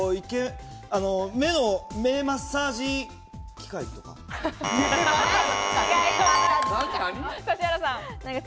目マッサージ機械とか？